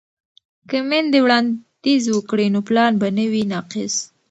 که میندې وړاندیز وکړي نو پلان به نه وي ناقص.